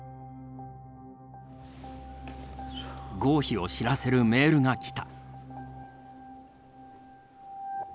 合否を知らせるメールが来た。